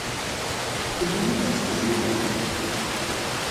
Fell-i i la tettqejjimemt?